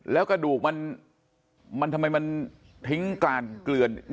แล้วกระดูกมันทำไมมันทิ้งกลานเกลือน